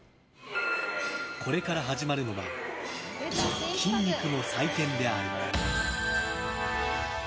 これから始まるのは筋肉の祭典である。